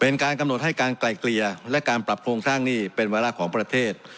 เป็นการกำหนดให้การไกลเกลี่ยและการปรับโครงสร้างหนี้เป็นวาระของประเทศ